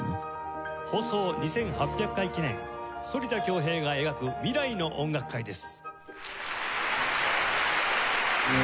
「放送２８００回記念反田恭平が描く未来の音楽会」です。